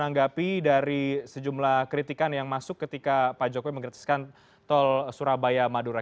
menanggapi dari sejumlah kritikan yang masuk ketika pak jokowi menggratiskan tol surabaya madura